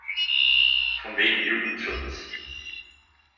Von wegen Jugendschutz!